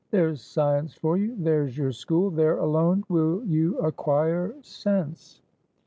There 's science for you! There's your school; there alone will you acquire sense."